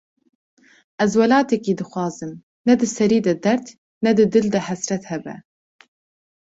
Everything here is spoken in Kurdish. Ez welatekî dixwazim, ne di serî de derd, ne di dil de hesret hebe